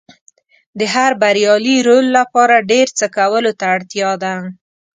د هر بریالي رول لپاره ډېر څه کولو ته اړتیا ده.